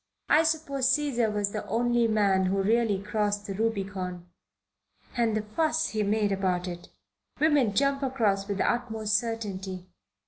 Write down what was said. I suppose Caesar was the only man who really crossed the Rubicon. And the fuss he made about it! Women jump across with the utmost certainty.